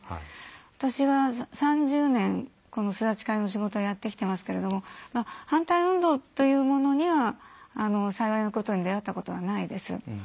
私は３０年この巣立ち会の仕事をやってきてますけど反対運動というものには幸いなことに出会ったことはないです。